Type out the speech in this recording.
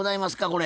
これ。